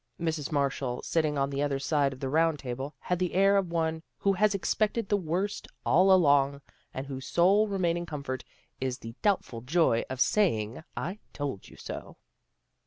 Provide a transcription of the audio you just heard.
Mrs. Marshall, sitting on the other side of the round table, had the air of one who has ex pected the worst all along, and whose sole remaining comfort is the doubtful joy of saying, " I told you so."